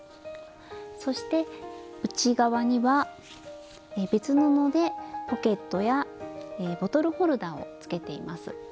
そして内側には別布でポケットやボトルホルダーをつけています。